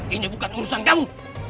ini bukan urusan kamu